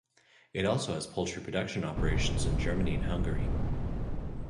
It also has poultry production operations in Germany and Hungary.